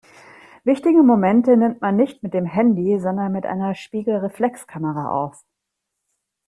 Wichtige Momente nimmt man nicht mit dem Handy, sondern mit einer Spiegelreflexkamera auf.